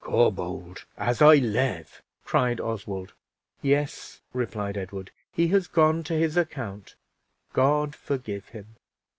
"Corbould, as I live!" cried Oswald. "Yes," replied Edward, "he has gone to his account. God forgive him!"